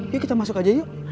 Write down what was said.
yuk kita masuk aja yuk